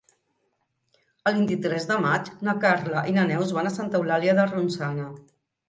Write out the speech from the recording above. El vint-i-tres de maig na Carla i na Neus van a Santa Eulàlia de Ronçana.